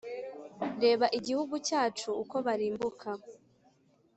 reba igihugu cyacu, uko barimbuka